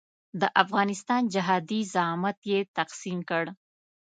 د افغانستان جهادي زعامت یې تقسیم کړ.